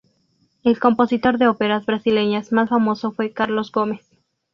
El compositor de óperas brasileñas más famoso fue Carlos Gomes.